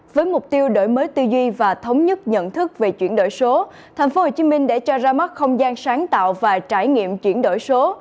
với mục tiêu đổi mới tư duy và thống nhất nhận thức về chuyển đổi số thành phố hồ chí minh đã cho ra mắt không gian sáng tạo và trải nghiệm chuyển đổi số